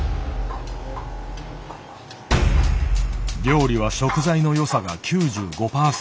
「料理は食材の良さが９５％」。